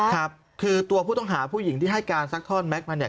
ครับคือตัวผู้ต้องหาผู้หญิงที่ให้การซักท่อนแก๊กมาเนี่ย